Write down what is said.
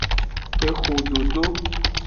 Exododo.